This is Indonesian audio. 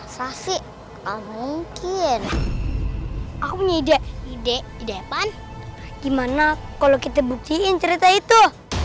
sasih mungkin aku ide ide depan gimana kalau kita buktiin cerita itu